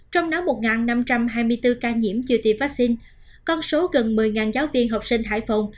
trong đó một năm trăm hai mươi bốn ca nhiễm chưa tiêm vaccine con số gần một mươi giáo viên học sinh hải phòng